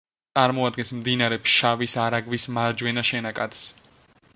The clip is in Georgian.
წარმოადგენს მდინარე ფშავის არაგვის მარჯვენა შენაკადს.